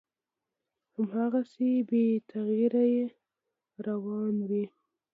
هماغسې بې تغییره روان وي،